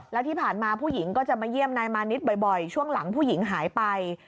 แล้วที่ผ่านมาผู้หญิงก็จะมาเยี่ยมนายมานิดบ่อยช่วงหลังผู้หญิงหายไป